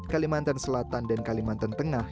kalimantan selatan dan kalimantan tengah